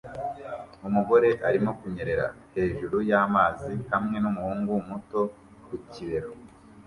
Umugore arimo kunyerera hejuru y'amazi hamwe n'umuhungu muto ku bibero